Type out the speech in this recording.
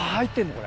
これ。